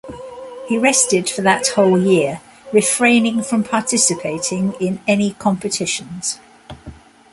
He rested for that whole year, refraining from participating in any competitions.